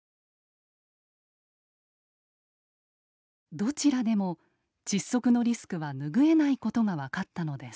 どちらでも窒息のリスクは拭えないことが分かったのです。